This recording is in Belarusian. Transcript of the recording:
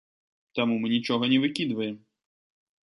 Таму мы нічога не выкідваем.